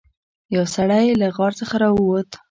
یو سړی له غار څخه راووت.